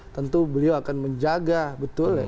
tentu beliau akan menjaga betul ya